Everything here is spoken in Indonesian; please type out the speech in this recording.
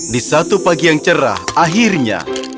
di satu pagi yang cerah akhirnya